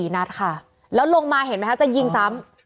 ๔นัดค่ะแล้วลงมาเห็นไหมคะจะยิงซ้ำ